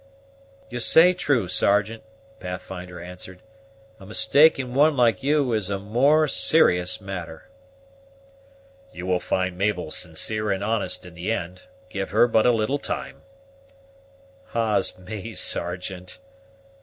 "You say true, Sergeant," Pathfinder answered; "a mistake in one like you is a more serious matter." "You will find Mabel sincere and honest in the end; give her but a little time." "Ah's me, Sergeant!"